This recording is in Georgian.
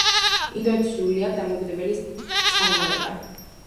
ინდოეთის სრულიად დამოუკიდებელი წარმოება.